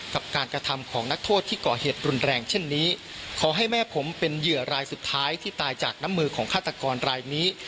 กับการกระทำของนักโทษที่ก่อเหตุรุนแรงเช่นนี้ขอให้แม่ผมเป็นเหยื่อรายสุดท้ายที่ตายจากน้ำมือของฆาตกรรายนี้